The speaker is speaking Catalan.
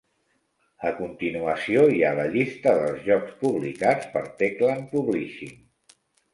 A continuació hi ha la llista dels jocs publicats per Techland Publishing.